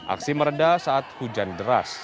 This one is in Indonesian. aksi meredah saat hujan deras